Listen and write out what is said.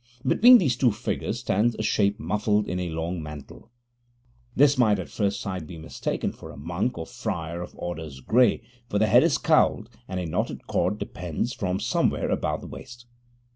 Between these two figures stands a shape muffled in a long mantle. This might at first sight be mistaken for a monk or "friar of orders gray", for the head is cowled and a knotted cord depends from somewhere about the waist.